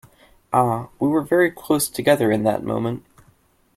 Ah, we were very close together in that moment.